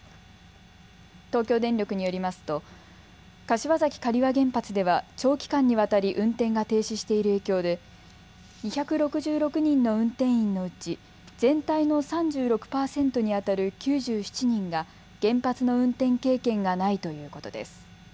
東京電力によりますと柏崎刈羽原発では長期間にわたり運転が停止している影響で２６６人の運転員のうち全体の３６％にあたる９７人が原発の運転経験がないということです。